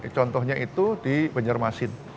contohnya itu di banjarmasin